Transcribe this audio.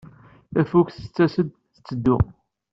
Tafukt tettas-d, tetteddu.